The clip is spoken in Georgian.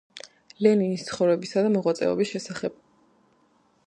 ლენინის ცხოვრებისა და მოღვაწეობის შესახებ.